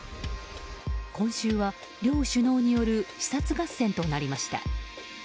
今週は両首脳による視察合戦となりました。